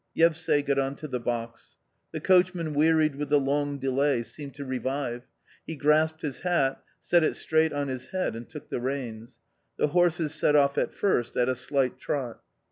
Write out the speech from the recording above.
Yevsay got on to the box. The coachman wearied with the long delay, seemed to revive ; he grasped his hat, set it straight on his head and took the reins ; the horses set off at first at a slight trot.